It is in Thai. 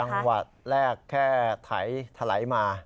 จังหวะแรกแค่ไถไถลมา